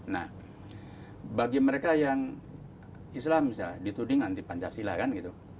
nah bagi mereka yang islam misalnya dituding anti pancasila kan gitu